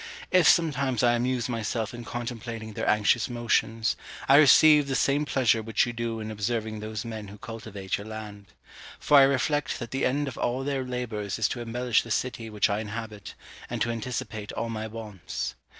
If sometimes I amuse myself in contemplating their anxious motions, I receive the same pleasure which you do in observing those men who cultivate your land; for I reflect that the end of all their labours is to embellish the city which I inhabit, and to anticipate all my wants.